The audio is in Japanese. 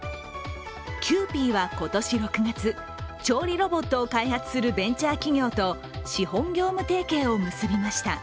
キユーピーは今年６月、調理ロボットを開発するベンチャー企業と資本業務提携を結びました。